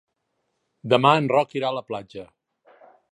Demà en Roc irà a la platja.